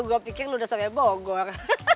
gue pikir lu udah sampe bogor